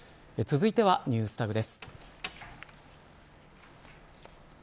続いてはＮｅｗｓＴａｇです。